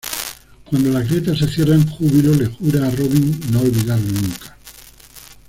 Cuando las grietas se cierran, Júbilo le jura a Robin no olvidarlo nunca.